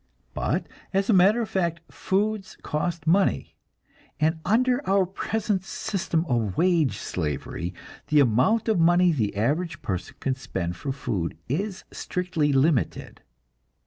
But as a matter of fact, foods cost money, and under our present system of wage slavery, the amount of money the average person can spend for food is strictly limited.